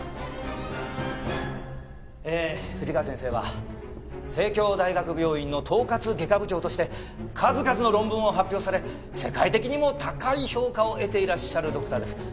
えー富士川先生は西京大学病院の統括外科部長として数々の論文を発表され世界的にも高い評価を得ていらっしゃるドクターです。